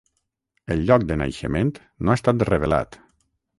El lloc de naixement no ha estat revelat.